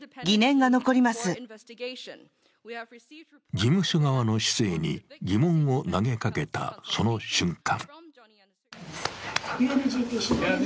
事務所側の姿勢に疑問を投げかけた、その瞬間